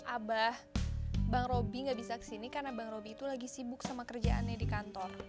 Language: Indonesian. abah bang robby gak bisa kesini karena bang roby itu lagi sibuk sama kerjaannya di kantor